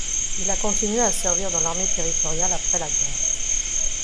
Il a continué à servir dans l'armée territoriale après la guerre.